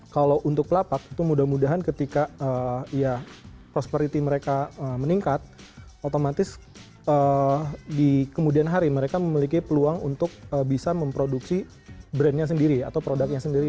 kalau untuk lapak itu mudah mudahan ketika prosperity mereka meningkat otomatis di kemudian hari mereka memiliki peluang untuk bisa memproduksi brandnya sendiri atau produknya sendiri